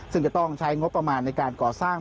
ซึ่งจะต้องใช้งบประมาณในการก่อสร้าง